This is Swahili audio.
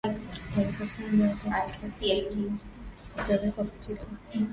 Aleksandria Wakakatwa vichwa na maaskari wakapelekwa katika